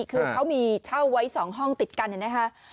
คือเขามีเช่าไว้๒ห้องติดกันเนี่ยนะคะ